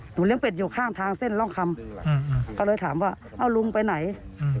หนูเลี้ยงเป็ดอยู่ข้างทางเส้นร่องคำอืมอืมก็เลยถามว่าเอ้าลุงไปไหนอืม